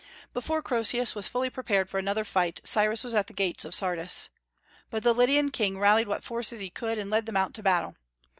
Before Croesus was fully prepared for another fight, Cyrus was at the gates of Sardis. But the Lydian king rallied what forces he could, and led them out to battle.